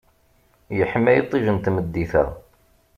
Yeḥma yiṭij n tmeddit-a.